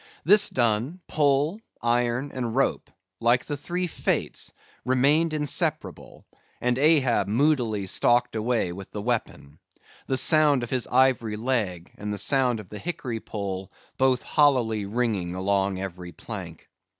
This done, pole, iron, and rope—like the Three Fates—remained inseparable, and Ahab moodily stalked away with the weapon; the sound of his ivory leg, and the sound of the hickory pole, both hollowly ringing along every plank.